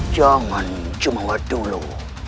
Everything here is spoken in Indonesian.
jangan cuma buat dulu